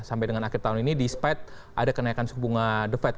sampai dengan akhir tahun ini despite ada kenaikan sebunga divide